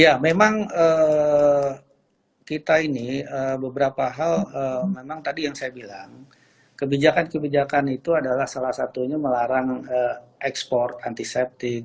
ya memang kita ini beberapa hal memang tadi yang saya bilang kebijakan kebijakan itu adalah salah satunya melarang ekspor antiseptik